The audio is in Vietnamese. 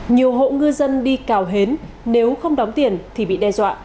nhiều hộ ngư dân đi cào hến nếu không đóng tiền thì bị đe dọa